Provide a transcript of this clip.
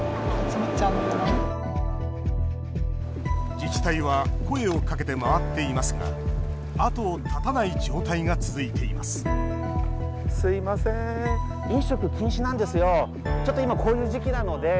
自治体は声をかけて回っていますが後を絶たない状態が続いています